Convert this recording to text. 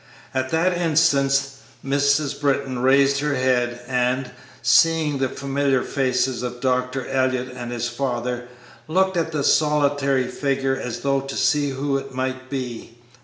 At that instant Mrs. Britton raised her head, and, seeing the familiar faces of Dr. Elliott and his father, looked at the solitary figure as though to see who it might be.